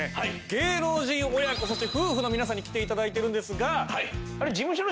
芸能人親子そして夫婦の皆さんに来て頂いてるんですが。